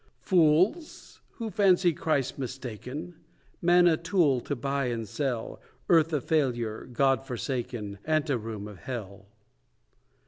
Fools! who fancy Christ mistaken; Man a tool to buy and sell; Earth a failure, God forsaken, Anteroom of Hell.